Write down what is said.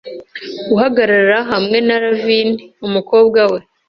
Guhagarara hamwe na Lavinien umukobwa we